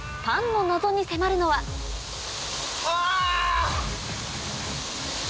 パンの謎に迫るのはわぁ！